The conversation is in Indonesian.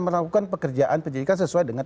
melakukan pekerjaan penyelidikan sesuai dengan